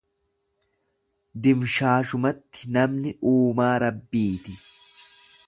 Dimshaashumatti namni uumaa Rabbii ti.